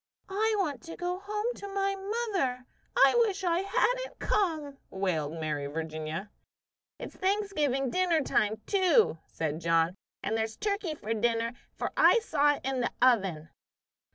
"I want to go home to my mother! I wish I hadn't come!" wailed Mary Virginia. "It's Thanksgiving dinner time, too," said John, "and there's turkey for dinner, for I saw it in the oven."